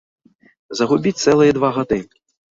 Загубіць цэлыя два гады!